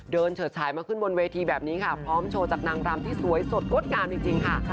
เฉิดฉายมาขึ้นบนเวทีแบบนี้ค่ะพร้อมโชว์จากนางรำที่สวยสดงดงามจริงค่ะ